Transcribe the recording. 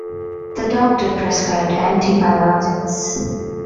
The doctor prescribed antibiotics.